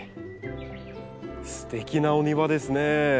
すてきなお庭ですね。